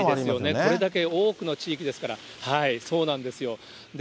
これだけ多くの地域ですから、そうなんですよ。